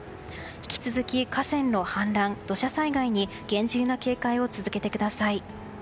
引き続き河川の氾濫、土砂災害に厳重な警戒を続けてください。